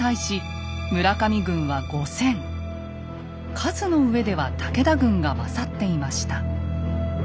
数の上では武田軍が勝っていました。